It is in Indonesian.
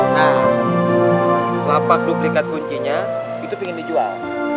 nah lapak duplikat kuncinya itu ingin dijual